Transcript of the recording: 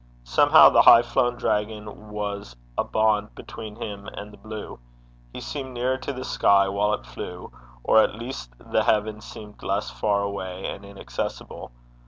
Somehow the high flown dragon was a bond between him and the blue; he seemed nearer to the sky while it flew, or at least the heaven seemed less far away and inaccessible.